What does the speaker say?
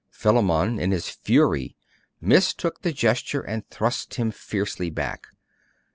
Philammon, in his fury, mistook the gesture and thrust him fiercely back.